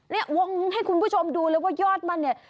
เนี่ยวงให้คุณผู้ชมดูเลยว่ายอดมันเนี่ย